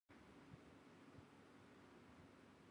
gukoresha ibikoresho by’amashanyarazi bitujuje ubuziranenge